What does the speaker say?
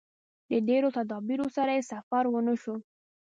د ډېرو تدابیرو سره یې سفر ونشو.